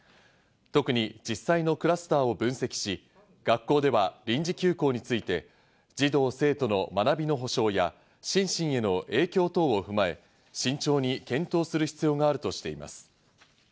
特に実際のクラスターを分析し、学校では臨時休校について児童生徒の学びの保障や、心身への影響を踏まえ、慎重に検討する必要があるとしています。